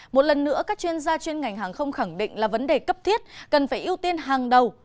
một lần nữa các chuyên gia chuyên ngành hàng không khẳng định là vấn đề cấp thiết cần phải ưu tiên hàng đầu